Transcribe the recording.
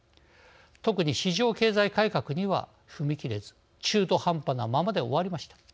特に市場経済改革には踏み切れず中途半端なままで終わりました。